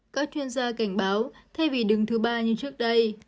các chuyên gia cảnh báo thay vì đứng thứ ba như trước đây